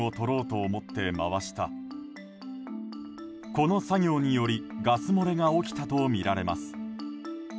この作業によりガス漏れが起きたとみられます。